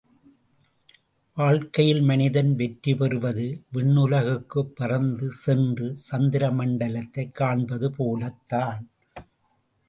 வாழ்க்கையில் மனிதன் வெற்றி பெறுவது விண்ணுலகுக்குப் பறந்து சென்று சந்திர மண்டலத்தைக் காண்பது போலத்தான்.